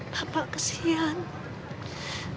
bapak kesian ya